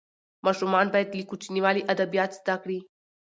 ماشومان باید له کوچنیوالي ادبیات زده کړي.